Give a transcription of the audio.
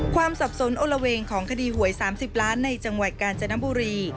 สับสนโอละเวงของคดีหวย๓๐ล้านในจังหวัดกาญจนบุรี